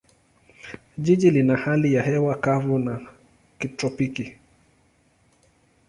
Jiji lina hali ya hewa kavu ya kitropiki.